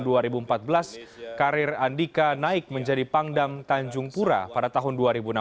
pada tahun dua ribu enam belas karir andika naik menjadi pangdam tanjung pura pada tahun dua ribu enam belas